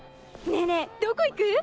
ねえねえどこ行く？